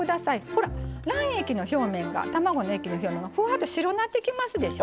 ほら卵液の表面が卵の液の表面がふわっと白なってきますでしょ。